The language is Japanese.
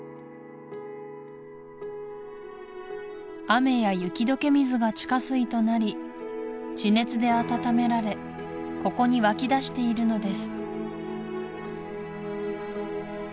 雨や雪解け水が地下水となり地熱で温められここに湧き出しているのです